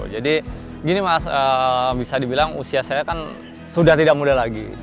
jadi gini mas bisa dibilang usia saya kan sudah tidak muda lagi